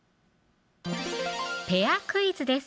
ペアクイズです